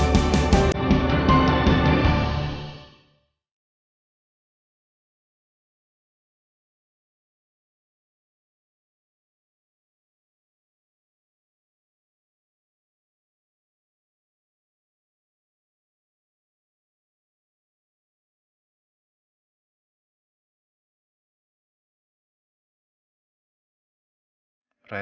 dan saya akan menjaga diri saya